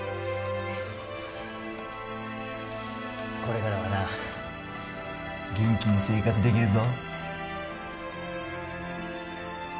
これからはな元気に生活出来るぞ。